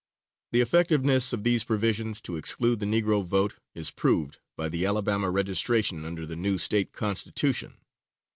The effectiveness of these provisions to exclude the Negro vote is proved by the Alabama registration under the new State Constitution.